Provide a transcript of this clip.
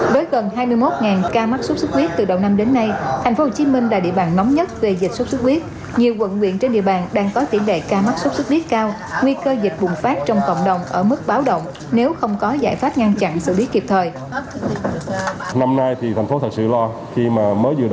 với gần hai mươi một ca mắc sốt sốt huyết từ đầu năm đến nay tp hcm là địa bàn nóng nhất về dịch sốt sốt huyết